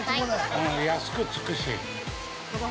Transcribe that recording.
安くつくし。